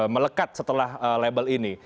melekat setelah label ini